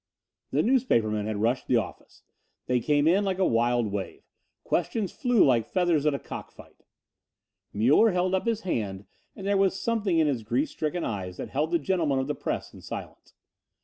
The newspapermen had rushed the office. They came in like a wild wave. Questions flew like feathers at a cock fight. Muller held up his hand and there was something in his grief stricken eyes that held the gentlemen of the press in silence.